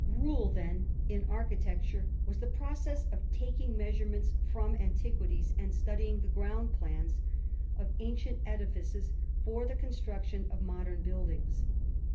Rule, then, in architecture, was the process of taking measurements from antiquities and studying the ground plans of ancient edifices for the construction of modern buildings.